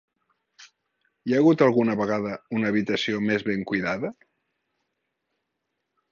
Hi ha hagut alguna vegada una habitació més ben cuidada?